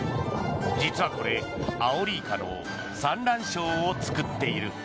実はこれ、アオリイカの産卵床を作っている。